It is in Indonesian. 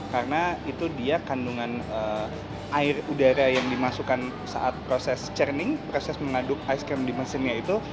karena itu dia kandungan air udara yang dimasukkan saat proses churning proses mengaduk es krim di mesinnya itu